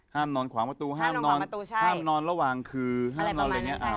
ห้ามนอนขวางประตูห้ามนอนระหว่างคือห้ามนอนอะไรอย่างนี้อ่าโอเค